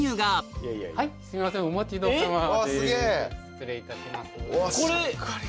失礼いたします。